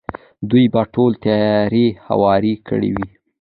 دوی به ټولې تیارې هوارې کړې وي.